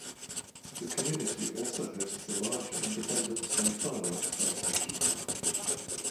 The community also hosts a large Independence Day fireworks celebration.